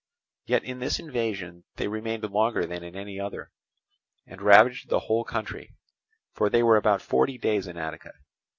Yet in this invasion they remained longer than in any other, and ravaged the whole country, for they were about forty days in Attica.